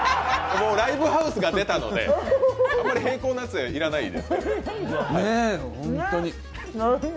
もうライブハウスが出たので、あんまり並行のやつは要らないです。